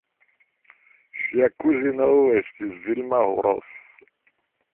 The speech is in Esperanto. Ŝia kuzino estis Vilma Orosz.